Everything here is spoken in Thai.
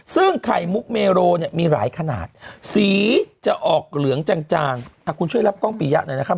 ซึ่งไข่มุกเมโรเนี่ยมีหลายขนาดสีจะออกเหลืองจางคุณช่วยรับกล้องปียะหน่อยนะครับ